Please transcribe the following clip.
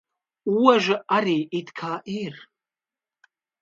Oža arī it kā ir.